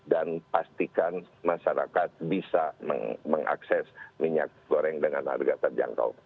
pastikan masyarakat bisa mengakses minyak goreng dengan harga terjangkau